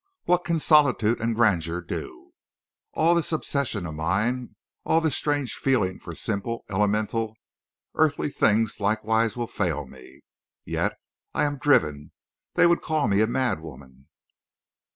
What can solitude and grandeur do?... All this obsession of mine—all this strange feeling for simple elemental earthly things likewise will fail me. Yet I am driven. They would call me a mad woman."